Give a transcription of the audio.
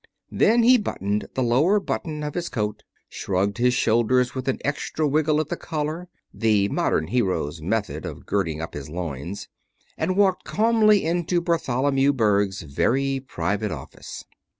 Then he buttoned the lower button of his coat, shrugged his shoulders with an extra wriggle at the collar (the modern hero's method of girding up his loins), and walked calmly into Bartholomew Berg's very private office.